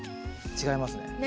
違いますね。